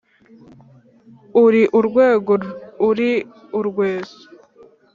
uri urwego uri urweso